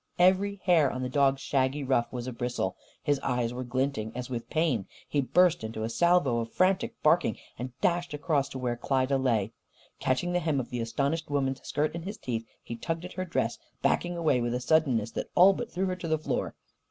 Every hair on the dog's shaggy ruff was abristle. His eyes were glinting as with pain. He burst into a salvo of frantic barking and dashed across to where Klyda lay. Catching the hem of the astonished woman's skirt in his teeth, he tugged at her dress, backing away with a suddenness that all but threw her to the floor.